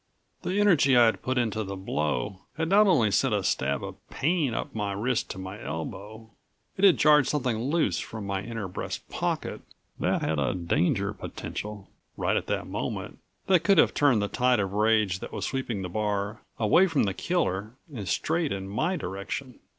The energy I'd put into the blow had not only sent a stab of pain up my wrist to my elbow. It had jarred something loose from my inner breast pocket that had a danger potential, right at that moment, that could have turned the tide of rage that was sweeping the bar away from the killer and straight in my direction.